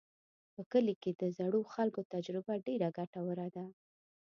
په کلي کې د زړو خلکو تجربه ډېره ګټوره ده.